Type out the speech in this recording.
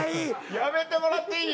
やめてもらっていい？